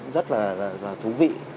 rất là thú vị